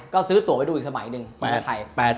ก็ซื้อตัวไปดูอีกสมัยหนึ่งอีกกับไทย